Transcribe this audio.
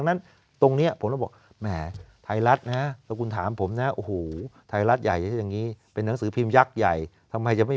ดังอยู่แล้วนะผมอยากให้มันดังกว่านี้